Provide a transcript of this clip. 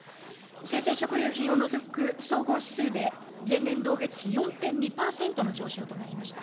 生鮮食料品を除く総合指数で、前年同月比４．２％の上昇となりました。